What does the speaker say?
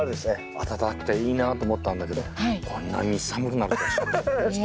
暖かくていいなと思ったんだけどこんなに寒くなるとは知りませんでした。